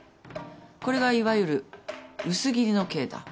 これがいわゆる薄切りの刑だ。